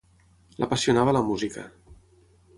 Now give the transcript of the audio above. L'apassionava la música: